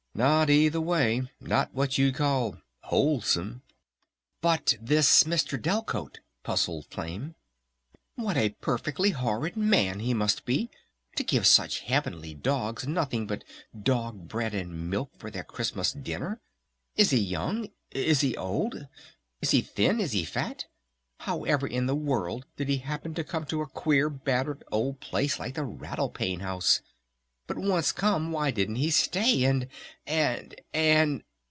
"Not either way. Not what you'd call wholesome." "But this Mr. Delcote?" puzzled Flame. "What a perfectly horrid man he must be to give such heavenly dogs nothing but dog bread and milk for their Christmas dinner!... Is he young? Is he old? Is he thin? Is he fat? However in the world did he happen to come to a queer, battered old place like the Rattle Pane House? But once come why didn't he stay? And And And